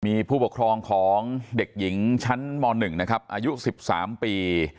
มีผู้ปกครองของเด็กหญิงชั้นม๑นะครับอายุ๑๓ปี